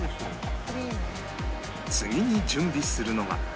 次に準備するのが